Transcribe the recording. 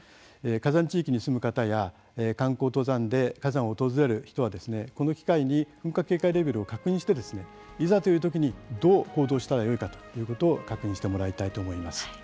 火山地域に住む方や観光登山で火山を訪れる人はこの機会に噴火警戒レベルを確認して、いざというときにどう行動したらよいかということを確認してもらいたいと思います。